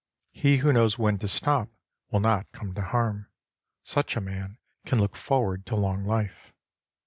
He who knows when to stop will not come to harm. Such a man can look forward to long life.